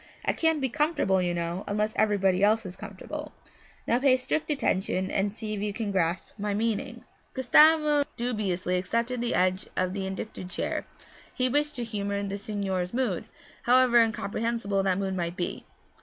I can't be comfortable, you know, unless everybody else is comfortable. Now pay strict attention and see if you can grasp my meaning.' Gustavo dubiously accepted the edge of the indicated chair; he wished to humour the signore's mood, however incomprehensible that mood might be.